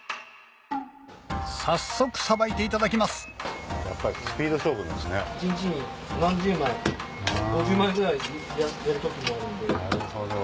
早速さばいていただきますなるほど。